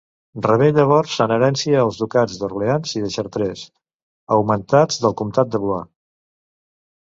Rebé llavors en herència els ducats d'Orleans i de Chartres, augmentats del comtat de Blois.